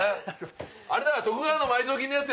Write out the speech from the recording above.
あれだ。